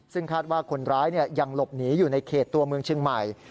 ซึ่งคาดว่าคนร้ายยังหลบหนีอยู่ในเขตตัวเมืองเชียงใหม่